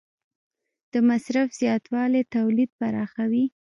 د مصرف زیاتوالی تولید پراخوي.